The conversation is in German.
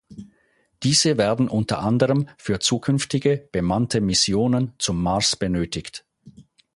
Diese werden unter anderem für zukünftige bemannte Missionen zum Mars benötigt.